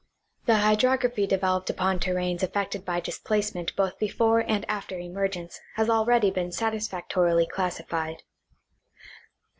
The hydrography developed upon terranes affected by displace ment both before and after emergence has already been satis factorily classified.